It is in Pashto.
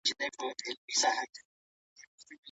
که بازار وي نو اړتیا نه پاتیږي.